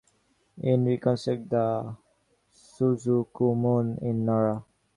It reconstructed the "Suzakumon" in Nara.